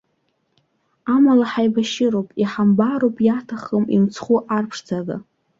Амала ҳаибашьыроуп, иҳамбароуп иаҭахым, имцхәу арԥшӡага.